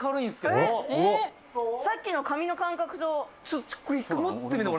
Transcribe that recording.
「さっきの紙の感覚と」